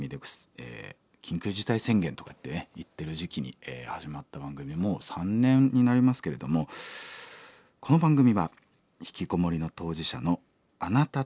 緊急事態宣言とかって言ってる時期に始まった番組もう３年になりますけれどもこの番組はひきこもりの当事者のあなたと一緒に作るラジオです。